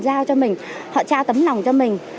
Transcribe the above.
giao cho mình họ trao tấm lòng cho mình